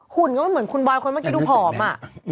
หุ่นก็มันเหมือนคุณบอยคนเมื่อกี้ดูผอมอ่ะ